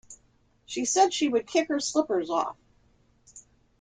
She said she would kick her slippers off.